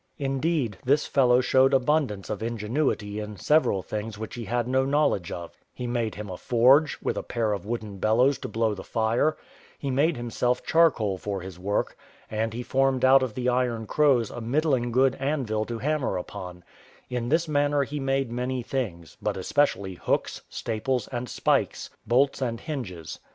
Indeed, this fellow showed abundance of ingenuity in several things which he had no knowledge of: he made him a forge, with a pair of wooden bellows to blow the fire; he made himself charcoal for his work; and he formed out of the iron crows a middling good anvil to hammer upon: in this manner he made many things, but especially hooks, staples, and spikes, bolts and hinges.